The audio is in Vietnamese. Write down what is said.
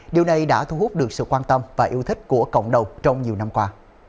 điều này đã thu hút được sự quan tâm và yêu thích của cộng đồng trong nhiều năm qua